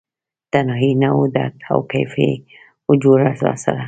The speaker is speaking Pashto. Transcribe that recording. تنهایې نه وه درد او کیف یې و جوړه راسره